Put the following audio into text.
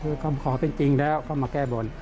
คือคำขอเป็นจริงแล้วก็มาแก้บน